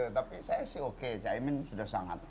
tapi saya sih oke ca imin sudah sangat